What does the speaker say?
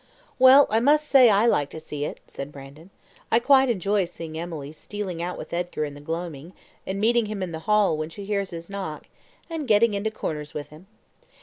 "Well, I must say I like to see it," said Brandon. "I quite enjoy seeing Emily stealing out with Edgar in the gloaming, and meeting him in the hall when she hears his knock, and getting into corners with him.